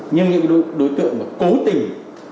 nhưng những đối tượng cố tình